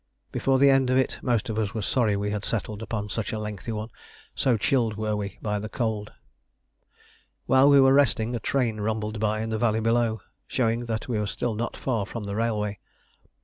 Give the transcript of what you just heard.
Before the end of it most of us were sorry we had settled upon such a lengthy one, so chilled were we by the cold. While we were resting, a train rumbled by in the valley below, showing that we were still not far from the railway.